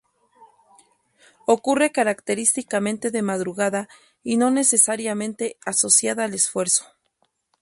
Ocurre característicamente de madrugada y no necesariamente asociada al esfuerzo.